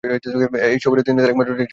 এ সফরেই তিনি তার একমাত্র টেস্টে অংশ নেন।